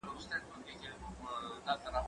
زه پرون کتاب وليکم!؟